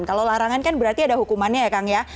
kalau larangan kan berarti ada hukumannya ya kang ya